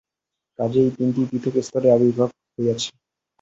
কাজেই এই তিনটি পৃথক স্তরের আবির্ভাব হইয়াছে।